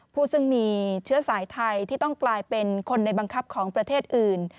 ผู้ซึ่งมีเชื้อสายไทยที่ต้องกลายเป็นคนในบังคับของประเทศอื่น